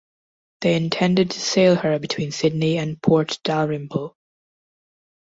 They intended to sail her between Sydney and Port Dalrymple.